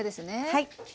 はい。